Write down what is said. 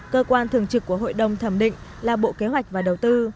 cơ quan thường trực của hội đồng thẩm định là bộ kế hoạch và đầu tư